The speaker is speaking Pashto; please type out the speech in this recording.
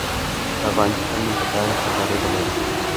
د افغانستان نوم په تاریخ کې ځلیدلی دی.